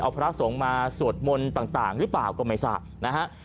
เอาพระสงฆ์มาสวดมนต์ต่างหรือเปล่าก็ไม่ทราบนะฮะ